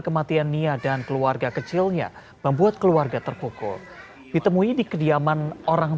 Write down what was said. kematian nia dan keluarga kecilnya membuat keluarga terpukul ditemui di kediaman orang